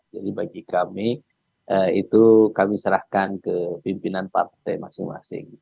bagi kami itu kami serahkan ke pimpinan partai masing masing